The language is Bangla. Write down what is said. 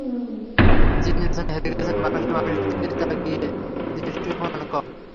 যিনি নির্বাচনে হেরে গেছেন, বানভাসি মানুষের দিকে তাঁদের দৃষ্টিও এখন অনেক কম।